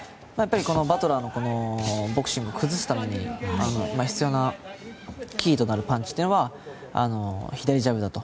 バトラーのボクシングを崩すために必要なキーとなるパンチというのは左ジャブだと。